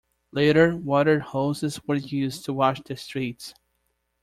Later, water hoses were used to wash the streets.